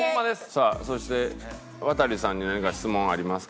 さあそしてワタリさんに何か質問ありますか？